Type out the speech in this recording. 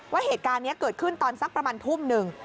ว่าเหตุการณ์นี้เกิดขึ้นตอนสักประมาณทุ่มหนึ่ง